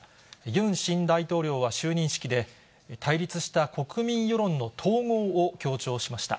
ユン新大統領は就任式で、対立した国民世論の統合を強調しました。